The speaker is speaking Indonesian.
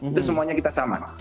itu semuanya kita sama